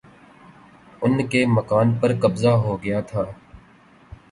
ان کے مکان پر قبضہ ہو گیا تھا